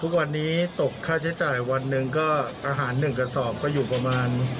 ทุกวันนี้ตกค่าใช้จ่ายวันหนึ่งก็อาหารหนึ่งกระสอบก็อยู่ประมาณ